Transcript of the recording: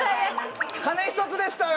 鐘１つでしたよ！